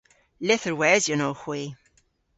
Lytherwesyon owgh hwi.